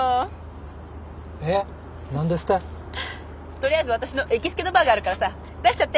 とりあえず私の行きつけのバーがあるからさ出しちゃって。